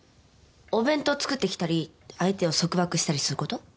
お弁当作ってきたり相手を束縛したりすること？